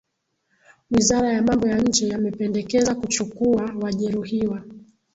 wizara ya mambo ya nje yamependekeza kuchukuwa wajeruhiwa